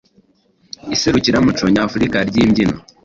Iserukiramuco Nyafurika ry’Imbyino,